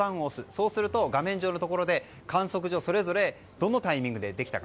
そうすると画面上のところで観測所それぞれでどのタイミングできたのか。